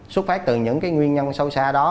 xuất phát từ những nguyên nhân sâu xa đó